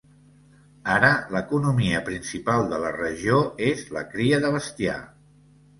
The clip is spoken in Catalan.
Ara, l'economia principal de la regió és la cria de bestiar.